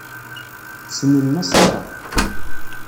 Ssnen Nasiṛa.